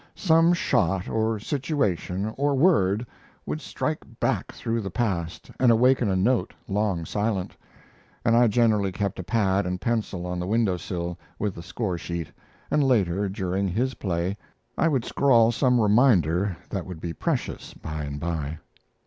Some shot, or situation, or word would strike back through the past and awaken a note long silent, and I generally kept a pad and pencil on the window sill with the score sheet, and later, during his play, I would scrawl some reminder that would be precious by and by.